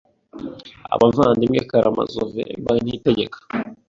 Abavandimwe Karamazove by niyitegeka